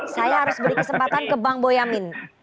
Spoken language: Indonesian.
saya harus beri kesempatan ke mbak boyani